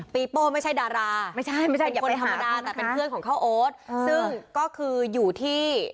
ปีโป้ไม่ใช่ดาราเป็นคนธรรมดาแต่เป็นเพื่อนของเขาโอ๊ตซึ่งก็คืออยู่ที่